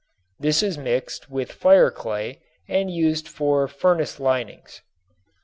This is mixed with fireclay and used for furnace linings.